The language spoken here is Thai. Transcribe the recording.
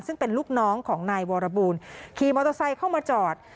ซึ่งเป็นลูกน้องของนายวรบูลขี่มอเตอร์ไซค์เข้ามาจอด